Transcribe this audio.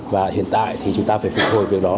và hiện tại thì chúng ta phải phục hồi việc đó